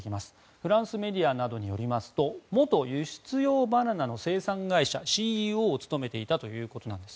フランスメディアなどによりますと、元輸出用バナナの生産会社ＣＥＯを務めていたということです。